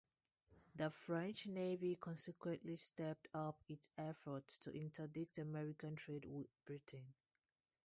The French Navy consequently stepped up its efforts to interdict American trade with Britain.